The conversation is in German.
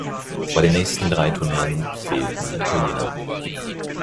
Bei den nächsten drei Turnieren fehlten die Italiener.